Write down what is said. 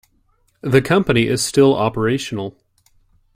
The company is still operational.